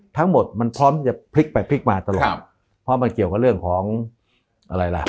ทั้งหมดมันพร้อมที่จะพลิกไปพลิกมาตลอดครับเพราะมันเกี่ยวกับเรื่องของอะไรล่ะ